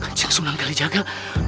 kanjeng sunan kali jaga